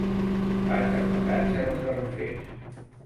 Vaig al passatge dels Garrofers.